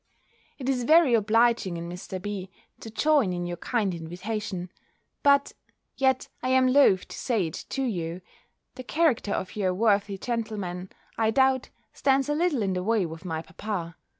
It is very obliging in Mr. B. to join in your kind invitation: but yet I am loth to say it to you the character of your worthy gentleman, I doubt, stands a little in the way with my papa.